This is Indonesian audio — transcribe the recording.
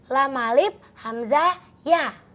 la malib hamzah yah